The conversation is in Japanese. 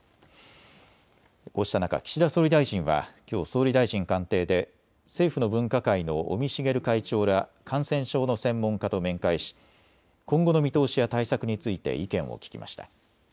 こうした中、岸田総理大臣はきょう総理大臣官邸で政府の分科会の尾身茂会長ら感染症の専門家と面会し今後の見通しや対策について意見を聞きました。